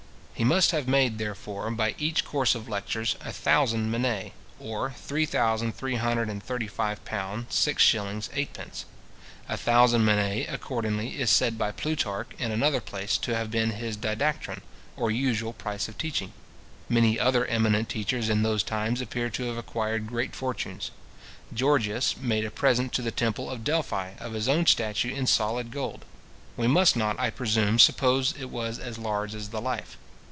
He must have made, therefore, by each course of lectures, a thousand minae, or £ 3335:6:8. A thousand minae, accordingly, is said by Plutarch, in another place, to have been his didactron, or usual price of teaching. Many other eminent teachers in those times appear to have acquired great fortunes. Georgias made a present to the temple of Delphi of his own statue in solid gold. We must not, I presume, suppose that it was as large as the life.